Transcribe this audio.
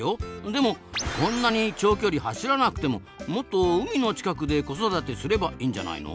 でもこんなに長距離走らなくてももっと海の近くで子育てすればいいんじゃないの？